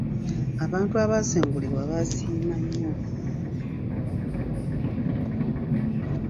Abantu abaasengulibwa baasiima nnyo.